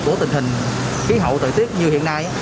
của tình hình khí hậu thời tiết như hiện nay